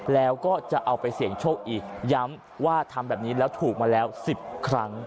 แล้วก็จะเอาไปเสี่ยงโชคอีกย้ำว่าทำแบบนี้แล้วถูกมาแล้ว๑๐ครั้ง